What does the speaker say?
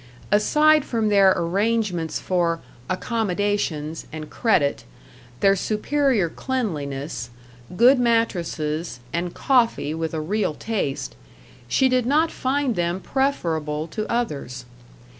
Aside from their arrangements for "accommodations" and credit, their superior cleanliness, good mattresses, and coffee with a real taste, she did not find them preferable to others.